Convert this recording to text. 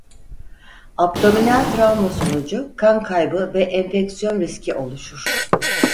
Abdominal travma sonucu kan kaybı ve enfeksiyon riski oluşur.